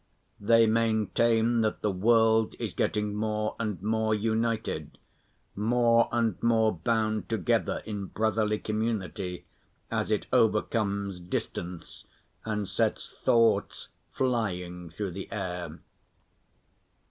They maintain that the world is getting more and more united, more and more bound together in brotherly community, as it overcomes distance and sets thoughts flying through the air.